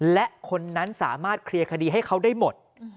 และคนนั้นสามารถเคลียร์คดีให้เขาได้หมด